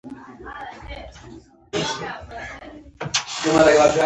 مجاهد د زمري زړه لري.